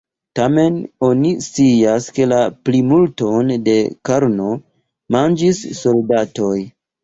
Tamen, oni scias, ke la plimulton de karno manĝis soldatoj.